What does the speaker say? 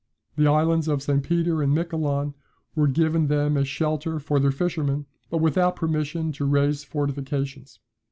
The islands of St. Peter and Miquelon were given them as a shelter for their fishermen, but without permission to raise fortifications.